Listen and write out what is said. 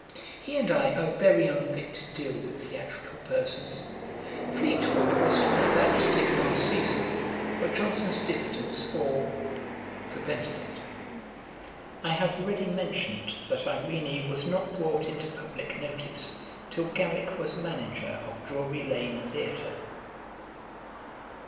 He and I are very unfit to deal with theatrical persons. Fleetwood was to have acted it last season, but Johnson's diffidence or prevented it.' I have already mentioned that Irene was not brought into publick notice till Garrick was manager of Drury lane theatre.